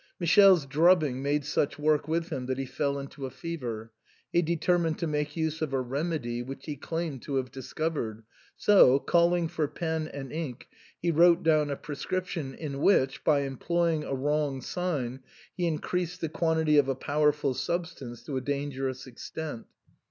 Michele's drubbing made such work with him that he fell into a fever. He deter mined to make use of a remedy which he claimed to have discovered, so, calling for pen and ink, he wrote down a prescription in which, by employing a wrong sign, he increased the quantity of a powerful substance to a dangerous extent.